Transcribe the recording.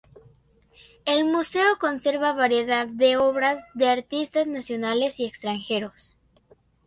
El museo conserva variedad de obras de artistas nacionales y extranjeros.